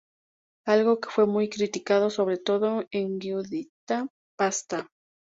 Algo que fue muy criticado sobre todo en Giuditta Pasta.